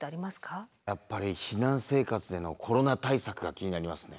やっぱり避難生活でのコロナ対策が気になりますね。